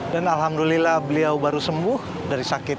dan alhamdulillah beliau baru sembuh dari sakit